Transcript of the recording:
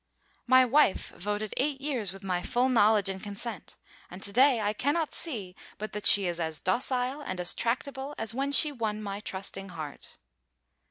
My wife voted eight years with my full knowledge and consent, and to day I cannot see but that she is as docile and as tractable as when she won my trusting heart.